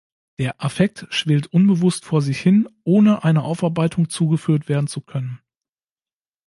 Der „Affekt "schwelt unbewusst vor sich hin“", ohne einer Aufarbeitung zugeführt werden zu können.